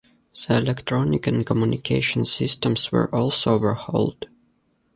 The electronic and communication systems were also overhauled.